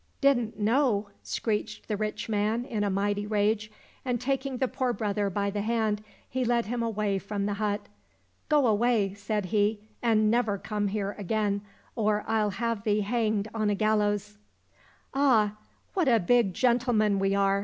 —" Didn't know !" screeched the rich man, in a mighty rage, and taking the poor brother by the hand, he led him away from the hut. *' Go away," said he, '' and never come back here again, or I'll have thee hanged on a gallows !"—" Ah ! what a big gentleman we are